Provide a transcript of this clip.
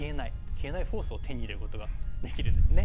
消えないフォースを手に入れることができるんですね。